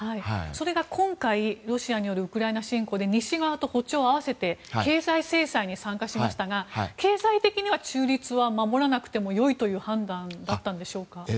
それが今回、ロシアによるウクライナ侵攻で西側と歩調を合わせて経済制裁に参加しましたが経済的には中立は守らなくても良いという判断だったんでしょうか？